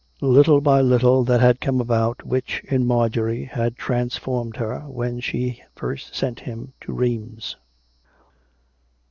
Little by little that had come about which, in Marjorie, had transformed her when she first sent him to Rheims.